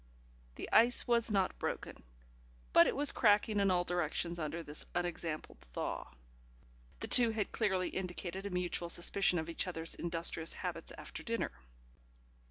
The ice was not broken, but it was cracking in all directions under this unexampled thaw. The two had clearly indicated a mutual suspicion of each other's industrious habits after dinner.